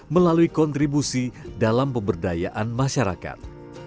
melalui kontribusi dalam pemberdayaan masyarakat